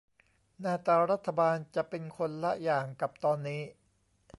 หน้าตารัฐบาลจะเป็นคนละอย่างกับตอนนี้